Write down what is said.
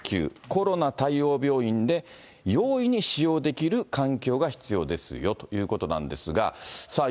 コロナ対応病院で容易に使用できる環境が必要ですよということなんですが、さあ